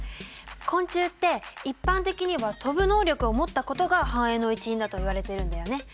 昆虫って一般的には飛ぶ能力を持ったことが繁栄の一因だといわれてるんだよね。